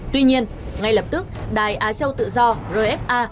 tuy nhiên ngay lập tức đài á châu tự do rfa